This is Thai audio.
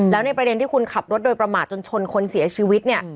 แล้วในประเด็นที่คุณขับรถโดยประมาทจนชนคนเสียชีวิตเนี่ย